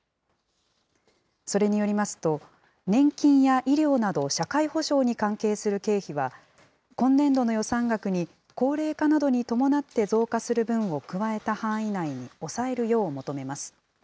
それによりますと、年金や医療など、社会保障に関係する経費は、今年度の予算額に高齢化などに伴って増加する分を加えた範囲内に抑えるよう求めます。